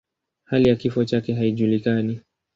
Hali ya kifo chake haijulikani.